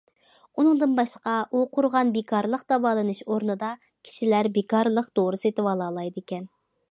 ئۇنىڭدىن باشقا ئۇ قۇرغان بىكارلىق داۋالىنىش ئورنىدا كىشىلەر بىكارلىق دورا سېتىۋالالايدىكەن.